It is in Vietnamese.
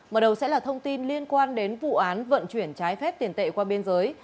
mở đầu sẽ là thông tin liên quan đến vụ án vận chuyển trái phép tiền tệ qua biên giới